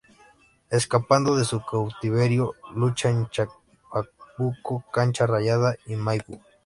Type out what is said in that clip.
Escapando de su cautiverio, lucha en Chacabuco, Cancha Rayada y Maipú.